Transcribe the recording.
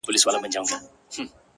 دا خپله وم!!